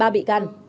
ba bị can